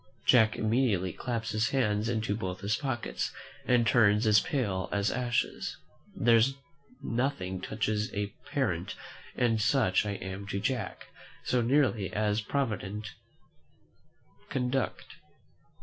Jack immediately claps his hands into both pockets, and turns as pale as ashes. There is nothing touches a parent, and such I am to Jack, so nearly as a provident conduct.